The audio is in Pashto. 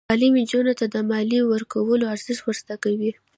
تعلیم نجونو ته د مالیې ورکولو ارزښت ور زده کوي.